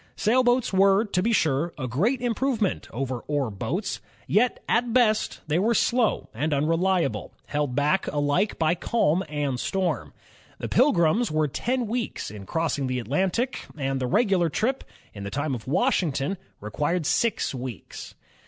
Sailboats were, to be sure) a great improvement over oar boats. Yet at best they were slow and unreliable, held back alike by calm and storm. The Pilgrims were ten wedcs in cross ing the Atlantic, and the regular trip, in the time of Washington, required six weeks.